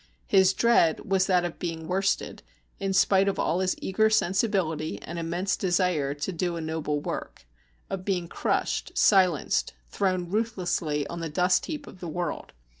His dread was that of being worsted, in spite of all his eager sensibility and immense desire to do a noble work, of being crushed, silenced, thrown ruthlessly on the dust heap of the world.